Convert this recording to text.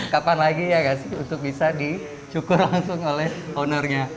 kapan lagi ya gak sih untuk bisa dicukur langsung oleh ownernya